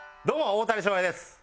大谷翔平です！